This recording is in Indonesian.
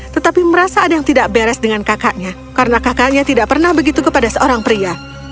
tetapi merasa ada yang tidak beres dengan kakaknya karena kakaknya tidak pernah begitu kepada seorang pria